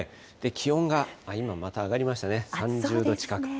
気温が今また上がりましたね、３０度近く。